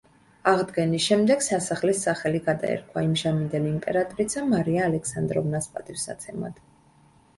აღდგენის შემდეგ სასახლეს სახელი გადაერქვა იმჟამინდელი იმპერატრიცა მარია ალექსანდროვნას პატივსაცემად.